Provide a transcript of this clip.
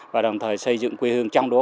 và đồng thời xây dựng quê hương trong đó